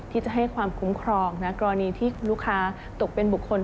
ที่จะให้ความคุ้มครองนะกรณีที่ลูกค้าตกเป็นบุคคล